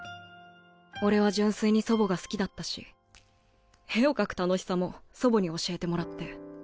俺は純粋に祖母が好きだったし絵を描く楽しさも祖母に教えてもらって。